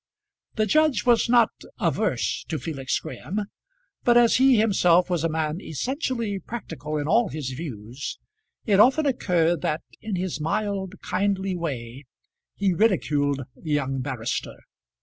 The judge was not averse to Felix Graham; but as he himself was a man essentially practical in all his views, it often occurred that, in his mild kindly way, he ridiculed the young barrister.